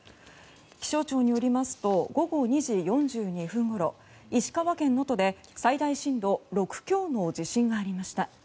気象庁によりますと午後２時４２分ごろ石川県能登で、最大震度６強の地震がありました。